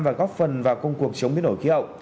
và góp phần vào công cuộc chống biến đổi khí hậu